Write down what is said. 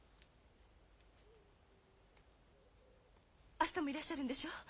明日もいらっしゃるんでしょ？